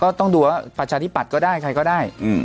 ต้องดูว่าประชาธิปัตย์ก็ได้ใครก็ได้